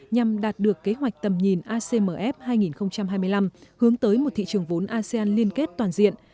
nhằm đạt được kế hoạch tầm nhìn acmf hai nghìn hai mươi năm hướng tới một thị trường vốn asean liên kết toàn diện